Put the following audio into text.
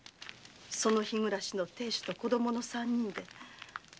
その日暮らしの亭主と子供の三人で。